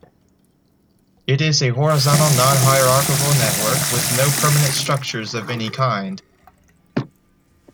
It is a horizontal, non-hierarchical network, with no permanent structures of any kind.